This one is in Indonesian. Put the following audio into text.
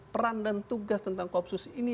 peran dan tugas tentang koopsus ini